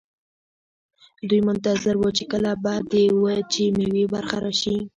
دوی منتظر وو چې کله به د وچې میوې برخه راشي.